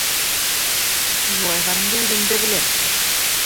Ҙурайғанымды үҙем дә беләм.